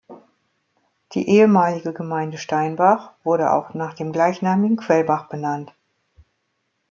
Die ehemalige Gemeinde Steinbach wurde auch nach dem gleichnamigen Quellbach benannt.